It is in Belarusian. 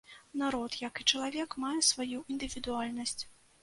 Народ, як і чалавек, мае сваю індывідуальнасць.